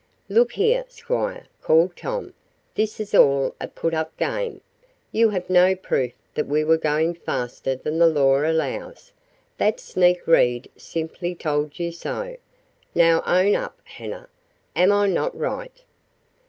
"Look here, squire," called Tom, "this is all a putup game. You have no proof that we were going faster than the law allows. That sneak Reed simply told you so. Now own up, Hanna. Am I not right?"